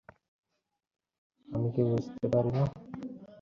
হেমনলিনী কহিল, অক্ষয়বাবু, একটা গান করুন।